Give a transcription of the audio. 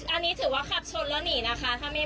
อันนี้ถือว่าครับชนแล้วหนีนะคะถ้าไม่มา